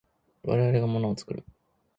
我々が物を作る。